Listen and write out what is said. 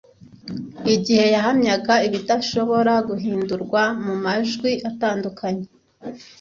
igihe yahamyaga ibidashobora guhindurwa mumajwi atandukanye